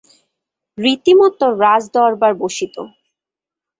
রীতিমত রাজ-দরবার বসিত।